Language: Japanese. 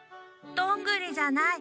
どんぐりじゃない！